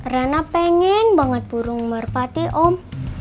rana pengen banget burung merpati om